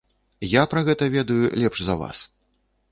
Я пра гэта ведаю лепш за вас.